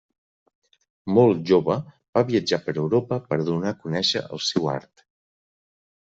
Molt jove, va viatjar per Europa per donar a conèixer el seu art.